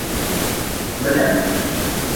– Мӹлӓм...